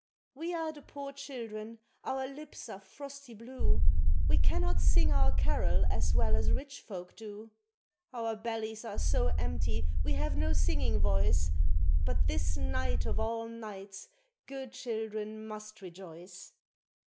We are the poor children, our lips are frosty blue, We cannot sing our carol as well as rich folk do, Our bellies are so empty we have no singing voice, But this night of all nights good children must rejoice.